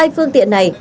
hai phương tiện này